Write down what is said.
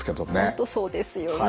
本当そうですよね。